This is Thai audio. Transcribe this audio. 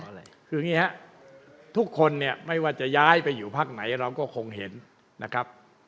อะไรคืออย่างนี้ฮะทุกคนเนี่ยไม่ว่าจะย้ายไปอยู่พักไหนเราก็คงเห็นนะครับ